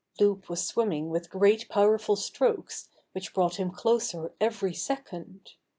Loup was swimming with great powerful strokes which brought him closer every second.